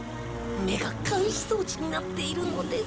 目が監視装置になっているのです。